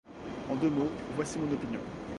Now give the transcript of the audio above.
En deux mots, voici mon opinion.